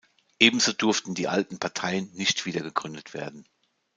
Ebenso durften die alten Parteien nicht wieder gegründet werden.